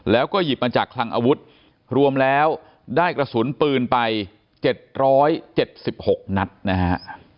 แล้วก็หยิบมาจากคลังอาวุธรวมแล้วได้กระสุนปืนไป๗๗๖นัดนะฮะ